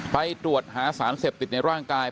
ไปตรวจหาสารเสพติดในร่างกาย